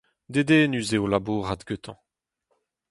Dedennus eo labourat gantañ.